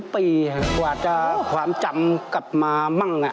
๒ปีก่อนจะความจำกลับมาบ้าง